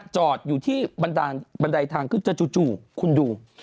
จอดอยู่ที่บันไดทางขึ้นจะจู่คุณดู